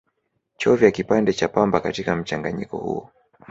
chovya kipande cha pamba katika mchanganyiko huo